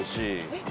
えっ？